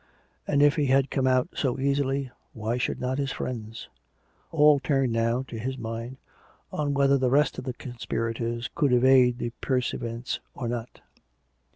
And if he had come out so easily, why should not his friends.'' All turned now, to his mind, on whether the rest of the conspirators could evade the pursuivants or not.